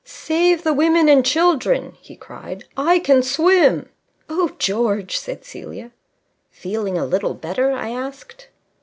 "Save the women and children!" he cried. "I can swim." "Oh, George!" said Celia. "Feeling a little better?" I asked.